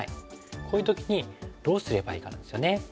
こういう時にどうすればいいかなんですよね。